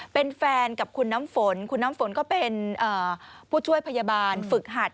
เป็นแฟนกับคุณน้ำฝนคุณน้ำฝนก็เป็นผู้ช่วยพยาบาลฝึกหัด